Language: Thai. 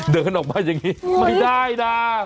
เดินออกมาอย่างนี้ไม่ได้นะ